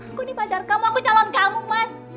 aku nih pacar kamu aku calon kamu mas